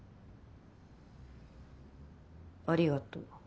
ありがとう。